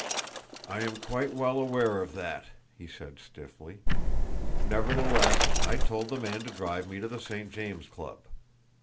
"I am quite well aware of that," he said stiffly. "Nevertheless I told the man to drive me to the St. James Club.